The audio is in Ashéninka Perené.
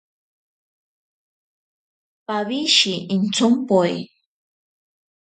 Pawishe intsompoe.